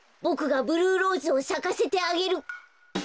ボクがブルーローズをさかせてあげる！